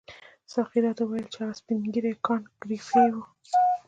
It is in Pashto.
ساقي راته وویل چې هغه سپین ږیری کانت ګریفي وو.